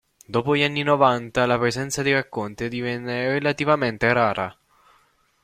Dopo gli anni novanta la presenza di racconti divenne relativamente rara.